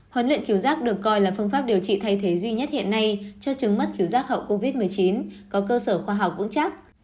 huấn luyện kiểu rác được coi là phương pháp điều trị thay thế duy nhất hiện nay cho chứng mất phiếu giác hậu covid một mươi chín có cơ sở khoa học vững chắc